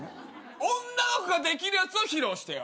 女の子ができるやつを披露してよ。